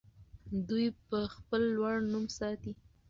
دوی به خپل لوړ نوم ساتي.